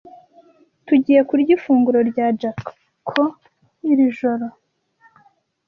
Tugiye kurya ifunguro rya Jackons 'iri joro.